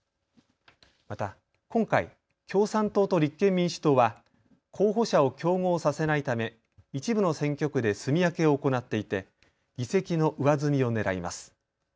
また、今回、共産党と立憲民主党は候補者を競合させないため一部の選挙区ですみ分けを行っていて議席の上積みをねらいます。